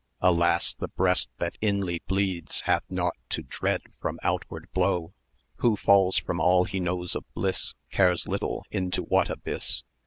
Alas! the breast that inly bleeds Hath nought to dread from outward blow: Who falls from all he knows of bliss, Cares little into what abyss.